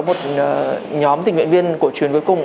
một nhóm tình nguyện viên của chuyến cuối cùng